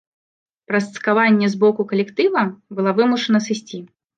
Праз цкаванне з боку калектыва была вымушана сысці.